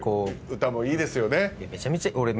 歌もいいですよね。